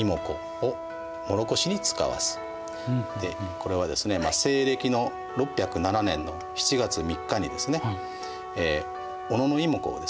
これはですね西暦の６０７年の７月３日にですね小野妹子をですね